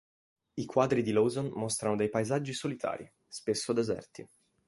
I quadri di Lawson mostrano dei paesaggi solitari, spesso deserti.